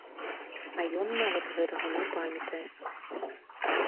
А ён нават гэтага не памятае.